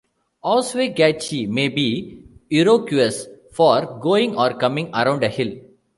"Oswegatchie" may be Iroquois for "going or coming around a hill".